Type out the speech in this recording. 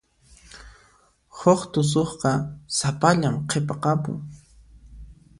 Huk tusuqqa sapallan qhipakapun.